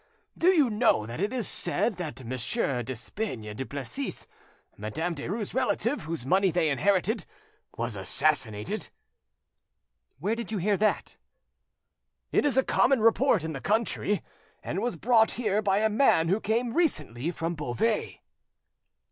Do you know that it is said that Monsieur Despeignes Duplessis, Madame Derues' relative, whose money they inherited, was assassinated?" "Where did you hear that?" "It is a common report in the country, and was brought here by a man who came recently from Beauvais."